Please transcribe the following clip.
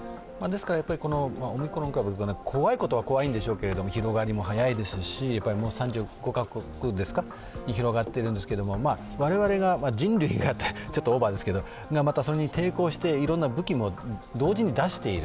オミクロン株、怖いことは怖いんでしょうけど広がりも速いですし、３５カ国に広がっているんですが、我々人類がっていうとオーバーですけどそれに抵抗していろんな武器も同時に出している。